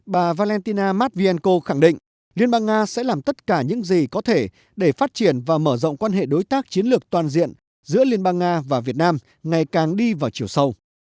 bà valentina matvienko khẳng định liên bang nga sẽ làm tất cả những gì có thể để phát triển và mở rộng quan hệ đối tác chiến lược toàn diện giữa liên bang nga và việt nam ngày càng đi vào chiều sâu